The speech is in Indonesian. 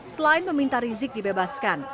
selain meminta rizik dibebaskan